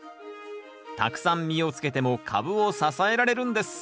たくさん実をつけても株を支えられるんです。